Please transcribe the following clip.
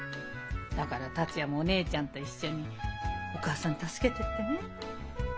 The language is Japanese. だから達也もお姉ちゃんと一緒にお母さん助けていってね。